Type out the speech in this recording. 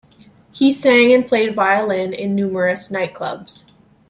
He sang and played violin in numerous nightclubs.